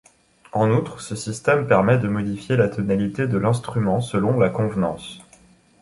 En outre, ce système permet de modifier la tonalité de l'instrument selon la convenance.